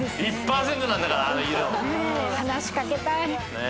話し掛けたい。